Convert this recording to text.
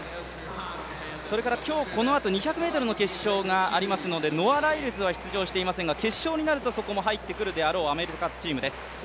今日このあと２００ｍの決勝がありますのでノア・ライルズは出場していませんが決勝になるとそこも入ってくるであろうアメリカのチームです。